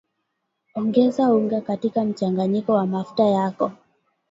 Ongeza unga katika mchanganyiko wa mafuta yako